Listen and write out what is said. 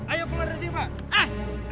ayo keluar dari sini pak